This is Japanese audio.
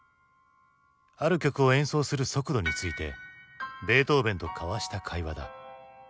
ある曲を演奏する速度についてベートーヴェンと交わした会話だ。